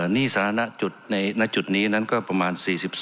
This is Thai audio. นี่สาธารณะในจุดนี้นั้นก็ประมาณ๔๒๓๖